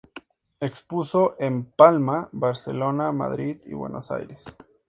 Expuso en Palma, Barcelona, Madrid y Buenos Aires.